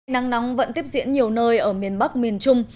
nắng nóng vẫn tiếp diễn nhiều nơi ở miền bắc miền trung